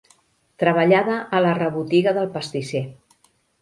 Treballada a la rebotiga del pastisser.